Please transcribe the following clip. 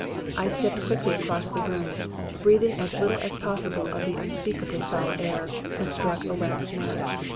I stepped quickly across the room, breathing as little as possible of the unspeakably foul air, and struck a wax match.